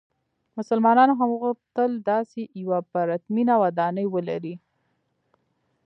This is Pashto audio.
مسلمانانو هم وغوښتل داسې یوه پرتمینه ودانۍ ولري.